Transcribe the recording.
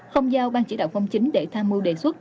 không giao bang chỉ đạo không chính để tham mưu đề xuất